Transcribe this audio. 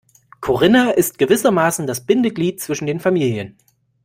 Corinna ist gewissermaßen das Bindeglied zwischen den Familien.